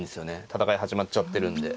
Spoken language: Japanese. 戦い始まっちゃってるんで。